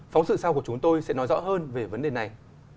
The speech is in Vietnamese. phóng sự sau của chúng tôi sẽ nói rõ hơn về vấn đề này